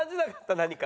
何か。